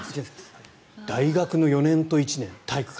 大学の４年と１年、体育会。